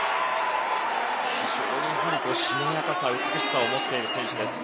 非常にしなやかさや美しさを持っている選手です